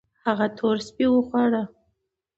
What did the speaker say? هغه تور سپي وخواړه